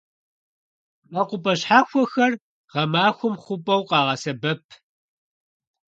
МэкъупӀэ щхьэхуэхэр гъэмахуэм хъупӀэу къагъэсэбэп.